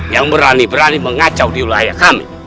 yang berani berani mengacau diulahaya kami